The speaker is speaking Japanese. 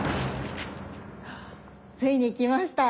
ついにきました。